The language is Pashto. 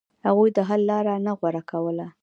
هغوی د حل لار نه غوره کوله.